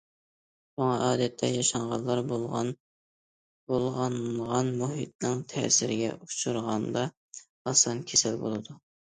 شۇڭا ئادەتتە ياشانغانلار بۇلغانغان مۇھىتنىڭ تەسىرىگە ئۇچرىغاندا ئاسان كېسەل بولىدۇ.